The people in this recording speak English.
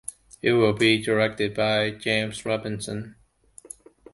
It will be directed by James Robinson.